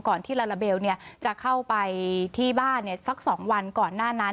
ที่ลาลาเบลจะเข้าไปที่บ้านสัก๒วันก่อนหน้านั้น